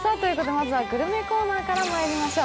まずはグルメコーナーからまいりましょう。